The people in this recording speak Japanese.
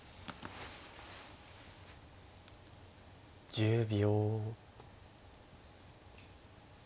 １０秒。